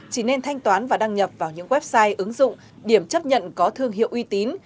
chỉ nên thanh toán và đăng nhập vào những website ứng dụng điểm chấp nhận có thương hiệu uy tín